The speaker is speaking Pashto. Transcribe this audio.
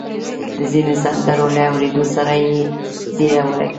د ځينو سندرو له اورېدو سره يې ډېره ولګېده